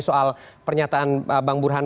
soal pernyataan bang burhan